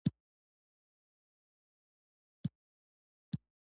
د کابل ژمی ډېر سوړ وي.